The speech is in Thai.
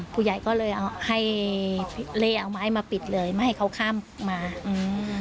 ผู้ใหญ่ก็เลยเอาให้เลยเอาไม้มาปิดเลยไม่ให้เขาข้ามมาอืม